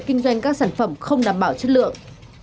kinh doanh các sản phẩm không đảm bảo chất lượng